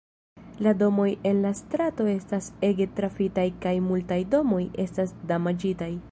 La domoj en la strato estas ege trafitaj kaj multaj domoj estas damaĝitaj.